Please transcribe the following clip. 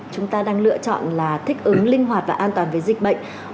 chúng ta đang lựa chọn là thích ứng linh hoạt và an toàn với dịch bệnh